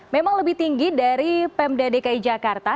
memang lebih tinggi dari pemda dki jakarta